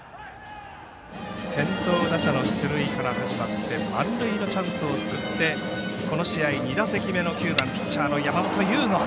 先頭打者の出塁から始まって満塁のチャンスを作ってこの試合、２打席目のピッチャー、山本由吾。